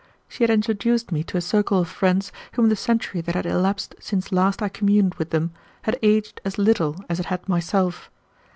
She had introduced me to a circle of friends whom the century that had elapsed since last I communed with them had aged as little as it had myself.